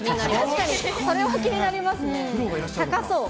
確かに、それは気になります高そう。